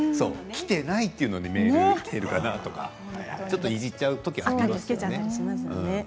きていないのにメールきているかなとかちょっといじっちゃうときありますよね。